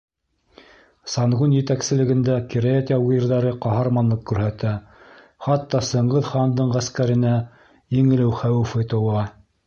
Сангун етәкселегендә кирәйәт яугирҙары ҡаһарманлыҡ күрһәтә, хатта Сыңғыҙ хандың ғәскәренә еңелеү хәүефе тыуа.